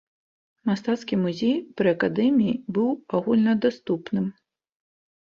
Мастацкі музей пры акадэміі быў агульнадаступным.